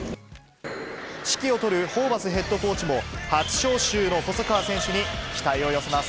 指揮を執るホーバスヘッドコーチも、初招集の細川選手に期待を寄せます。